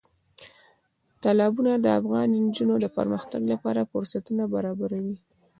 تالابونه د افغان نجونو د پرمختګ لپاره فرصتونه برابروي.